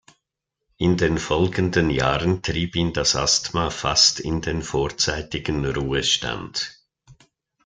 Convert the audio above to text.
In den folgenden Jahren trieb ihn das Asthma fast in den vorzeitigen Ruhestand.